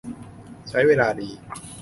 ใช้เวลาดี